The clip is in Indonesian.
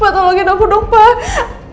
tolongin aku dong pak